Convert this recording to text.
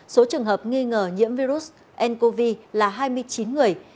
số trường hợp nghi ngờ nhiễm virus ncov là hai mươi chín người